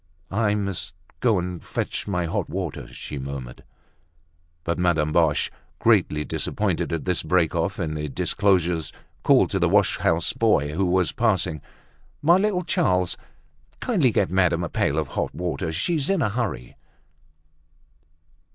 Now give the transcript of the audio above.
"I must go and fetch my hot water," she murmured. But Madame Boche, greatly disappointed at this break off in the disclosures, called to the wash house boy, who was passing, "My little Charles, kindly get madame a pail of hot water; she's in a hurry."